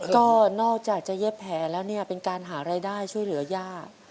ก็นอกจากจะเย็บแผลแล้วเนี่ยเป็นการหารายได้ช่วยเหลือย่า